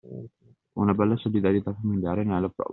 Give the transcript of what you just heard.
Una bella solidarietà familiare ne è la prova.